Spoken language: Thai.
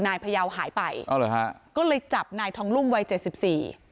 พยาวหายไปอ๋อเหรอฮะก็เลยจับนายทองรุ่มวัยเจ็ดสิบสี่